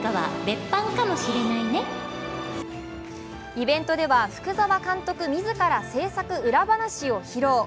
イベントでは、福澤監督自ら制作裏話を披露。